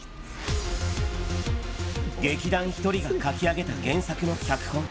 劇団ひとりが書き上げた原作の脚本。